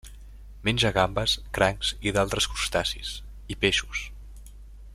Menja gambes, crancs i d'altres crustacis, i peixos.